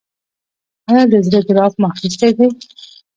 ایا د زړه ګراف مو اخیستی دی؟